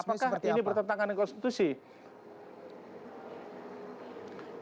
apakah ini bertentangan dengan konstitusi